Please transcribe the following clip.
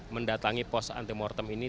mendatangi pos anti mortem ini